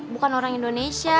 bukan orang indonesia